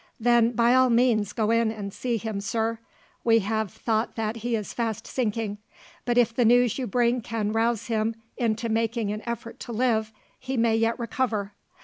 "Then by all means go in and see him, sir. We have thought that he is fast sinking; but if the news you bring can rouse him into making an effort to live, he may yet recover.